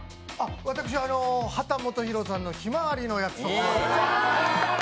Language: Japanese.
私、秦基博さんの「ひまわりの約束」を。